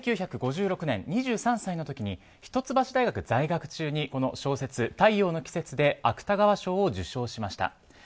１９５６年、２３歳の時に一橋大学在学中にこの小説、「太陽の季節」で芥川賞を受賞しました。